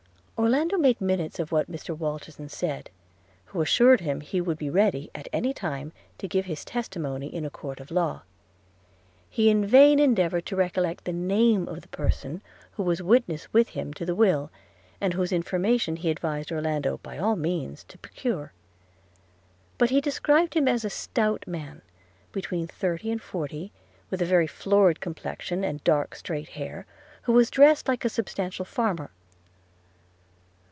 Orlando made minutes of what Mr Walterson said, who assured him he would be ready at any time to give his testimony in a court of law – He in vain endeavoured to recollect the name of the person who was witness with him to the will, and whose information he advised Orlando by all means to procure; but he described him as a stout man, between thirty and forty, with a very florid complexion and dark straight hair, who was dressed like a substantial farmer.